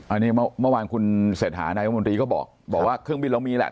อันนี้เมื่อวานคุณเศรษฐานายมนตรีก็บอกว่าเครื่องบินเรามีแหละ